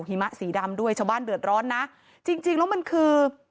หะสีดำด้วยชาวบ้านเดือดร้อนนะจริงจริงแล้วมันคือ